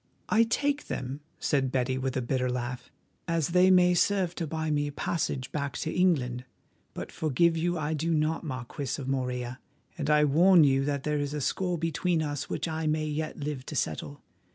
"I take them," said Betty, with a bitter laugh, "as they may serve to buy me a passage back to England. But forgive you I do not, Marquis of Morella, and I warn you that there is a score between us which I may yet live to settle.